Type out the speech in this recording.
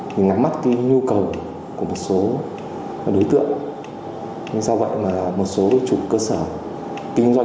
mình ngắm mắt cái nhu cầu của một số đối tượng nhưng sao vậy mà một số chủ cơ sở kinh doanh